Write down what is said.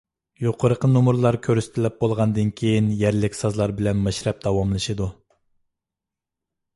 يۇقىرىقى نومۇرلار كۆرسىتىلىپ بولغاندىن كېيىن يەرلىك سازلار بىلەن مەشرەپ داۋاملىشىدۇ.